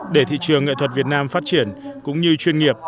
để thị trường nghệ thuật việt nam phát triển cũng như chuyên nghiệp